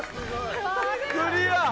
クリア！